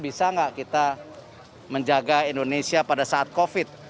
bisa nggak kita menjaga indonesia pada saat covid